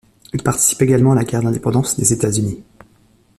Il participe également à la guerre d'indépendance des États-Unis.